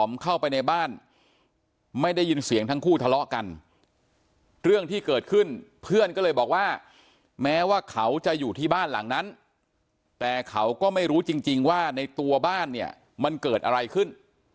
แต่เรื่องที่เกิดขึ้นเพื่อนก็เลยบอกว่าแม้ว่าเขาจะอยู่ที่บ้านหลังนั้นแต่เขาก็ไม่รู้จริงว่าในตัวบ้านเนี่ยมันเกิดอะไรขึ้น